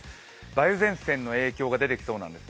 梅雨前線の影響が出てきそうです。